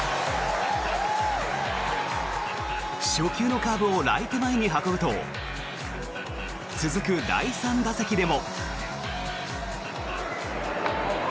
初球のカーブをライト前に運ぶと続く第３打席でも。